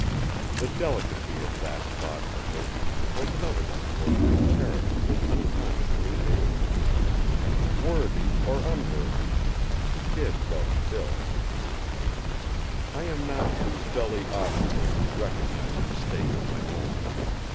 The delicacy of that thought for her was another disclosure of character, unconsciously made. Worthy or unworthy, he did love Phil. I am not too dully obstinate to recognize a mistake of my own.